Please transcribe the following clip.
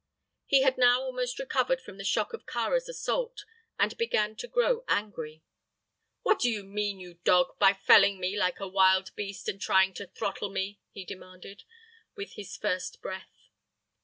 He had now almost recovered from the shock of Kāra's assault, and began to grow angry. "What do you mean, you dog, by felling me like a wild beast and trying to throttle me?" he demanded, with his first breath.